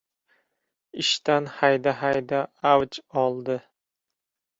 Ishdan hayda-hayda avj oldi.